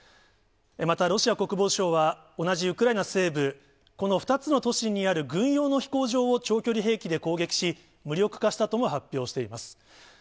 またロシア国防省は、同じウクライナ西部、この２つの都市にある軍用の飛行場を長距離兵器で攻撃し、無力化したとも発表しています。